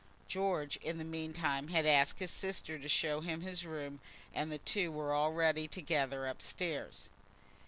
George, in the meantime, had asked his sister to show him his room, and the two were already together up stairs.